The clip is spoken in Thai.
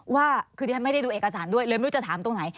ว่าคือที่ฉันไม่ได้ดูเอกสารด้วยเลยไม่รู้จะถามตรงไหน